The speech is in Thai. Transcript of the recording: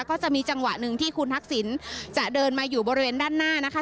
ก็จะมีจังหวะหนึ่งที่คุณทักษิณจะเดินมาอยู่บริเวณด้านหน้านะคะ